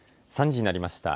３時になりました。